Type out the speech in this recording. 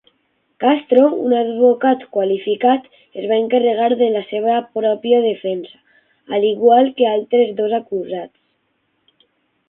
Castro, un advocat qualificat, es va encarregar de la seva pròpia defensa, al igual que altres dos acusats.